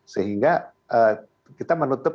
sehingga kita menutup